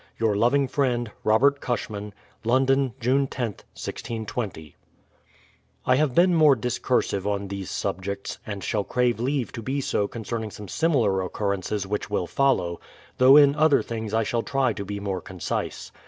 Your loving friend, ROBERT CUSHMAN. London, June loth, 1620. I have been more discursive on these subjects, — and shall crave leave to be so concerning some similar occurrences 48 BRADFORD'S HISTORY which will follow ; though in other things I shall try to be more concise.